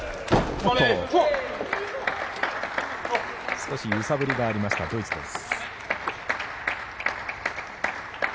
少し揺さぶりがありましたドイツです。